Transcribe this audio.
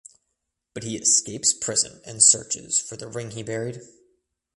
But he escapes prison and searches for the ring he buried.